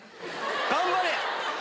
頑張れ！